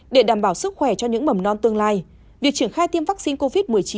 để đảm bảo sức khỏe cho những mầm non tương lai việc triển khai tiêm vaccine covid một mươi chín